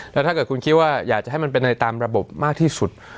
แล้วถ้าเกิดคุณคิดว่าอยากจะให้มันเป็นในตามระบบมากที่สุด